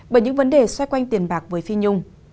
bởi những vấn đề xoay quanh tiền bạc với phi nhung